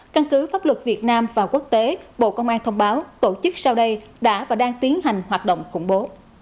căn cứ pháp luật việt nam và quốc tế bộ công an thông báo tổ chức sau đây đã và đang tiến hành hoạt động khủng bố